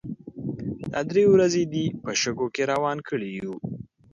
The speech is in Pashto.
دا درې ورځې دې په شګو کې روان کړي يو.